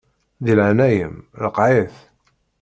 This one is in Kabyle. Di leɛnaya-m ṛeqqeɛ-it.